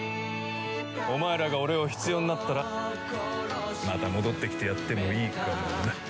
お前らが俺を必要になったらまた戻ってきてやってもいいかもな。